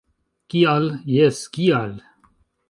- Kial? - Jes, kial?